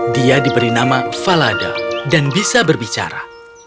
dia diberi nama falada dan bisa berbicara